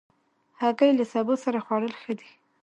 هګۍ له سبو سره خوړل ښه دي.